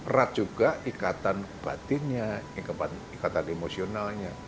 erat juga ikatan batinnya ikatan emosionalnya